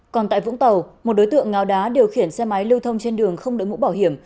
còn tại vũng tàu một đối tượng ngáo đá điều khiển xe máy lưu thông trên đường không đổi mũ bảo hiểm